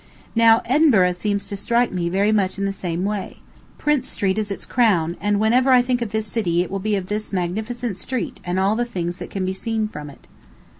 Now Edinburgh seems to strike me in very much the same way. Prince Street is its crown, and whenever I think of this city it will be of this magnificent street and the things that can be seen from it.